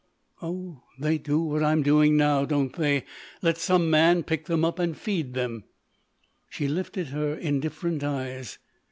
"Oh, they do what I'm doing now, don't they?—let some man pick them up and feed them." She lifted her indifferent eyes.